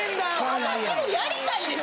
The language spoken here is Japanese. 私もやりたいです。